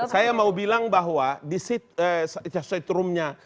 saya mau bilang bahwa di setrumnya